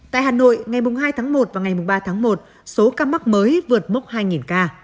tại hà nội ngày hai tháng một và ngày ba tháng một số ca mắc mới vượt mốc hai ca